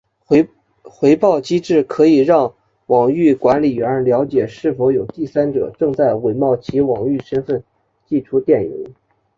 回报机制可以让网域管理员了解是否有第三者正在伪冒其网域身份寄出电邮。